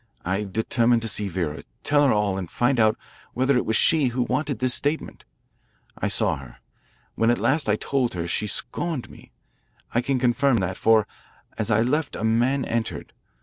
I determined to see Vera, tell her all, and find out whether it was she who wanted this statement. I saw her. When at last I told her, she scorned me. I can confirm that, for as I left a man entered.